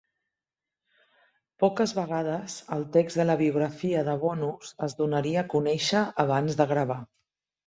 Poques vegades, el text de la biografia de Bonus es donaria a conèixer abans de gravar.